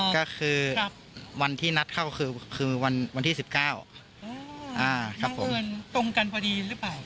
ก็คือวันที่นัดเข้าคือวันที่๑๙ครับผมตรงกันพอดีหรือเปล่า